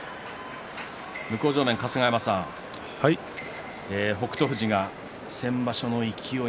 春日山さん、北勝富士先場所の勢い